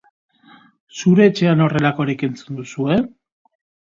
Zure etxean horrelakorik entzun duzue?